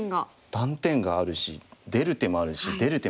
断点があるし出る手もあるし出る手もある。